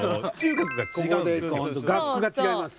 学区が違います。